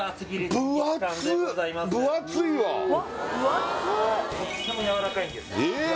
とってもやわらかいんですええ